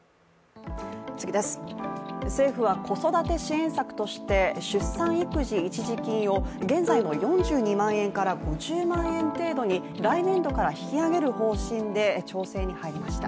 政府は子育て支援策として出産育児一時金を現在の４２万円から５０万円程度に来年度から引き上げる方針で調整に入りました。